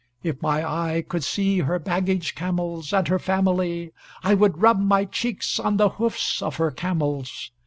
If my eye could see her baggage camels, and her family, I would rub my cheeks on the hoofs of her camels.